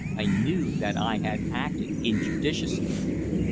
I knew that I had acted injudiciously.